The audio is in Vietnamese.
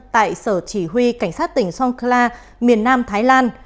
tại sở chỉ huy cảnh sát tỉnh sonkla miền nam thái lan